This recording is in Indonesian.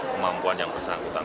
kemampuan yang bersangkutan